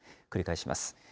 繰り返します。